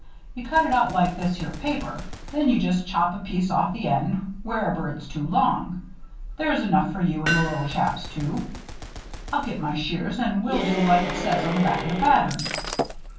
You cut it out like this here paper. Then you just chop a piece off the end, wherever it's too long. There's enough for you and the little chaps, too. I'll get my shears and we'll do like it says on the back of the pattern."